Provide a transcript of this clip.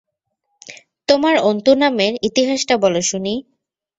তোমার অন্তু নামের ইতিহাসটা বলো শুনি।